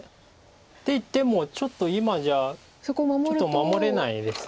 っていってもちょっと今じゃちょっと守れないです。